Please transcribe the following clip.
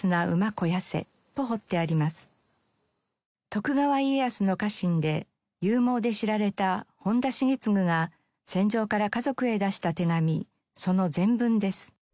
徳川家康の家臣で勇猛で知られた本多重次が戦場から家族へ出した手紙その全文です。